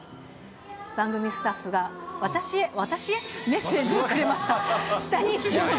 番組スタッフが私へメッセージをくれました。